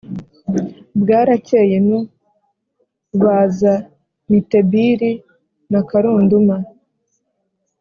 Bwarakeye nu, baza Mitebili na Karunduma,